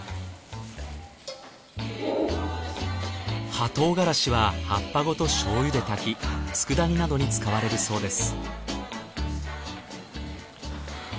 葉トウガラシは葉っぱごと醤油で炊きつくだ煮などに使われるそうです。